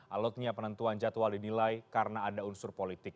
alotnya penentuan jadwal dinilai karena ada unsur politik